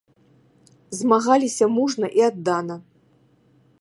Змагаліся мужна і аддана.